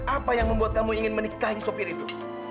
apa yang membuat kamu ingin menikahi sopir itu